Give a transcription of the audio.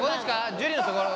樹のところ。